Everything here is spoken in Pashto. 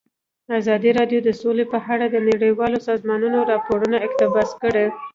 ازادي راډیو د سوله په اړه د نړیوالو سازمانونو راپورونه اقتباس کړي.